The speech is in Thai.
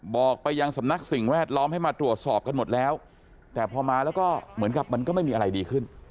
บอกไปยังสำนักสิ่งแวดล้อมให้มาตรวจสอบกันหมดแล้วแต่พอมาแล้วก็เหมือนกับมันก็ไม่มีอะไรดีขึ้น